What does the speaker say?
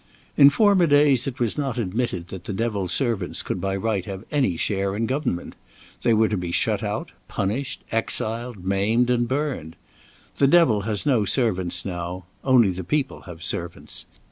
In former days it was not admitted that the devil's servants could by right have any share in government. They were to be shut out, punished, exiled, maimed, and burned. The devil has no servants now; only the people have servants.